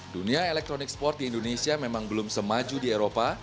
dunia elektronik sport di indonesia memang belum semaju di eropa